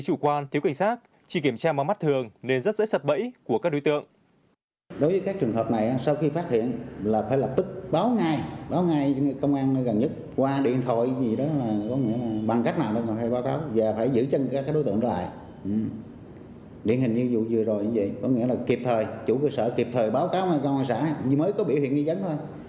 chủ cơ sở kịp thời báo cáo công an xã mới có biểu hiện nghi dấn thôi